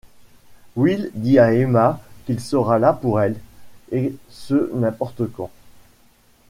Will dit à Emma qu'il sera là pour elle, et ce n'importe quand.